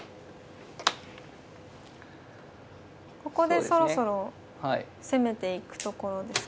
ここでそろそろ攻めていくところですかね。